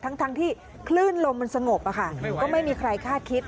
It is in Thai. ทั้งที่คลื่นลมมันสงบก็ไม่มีใครคาดคิด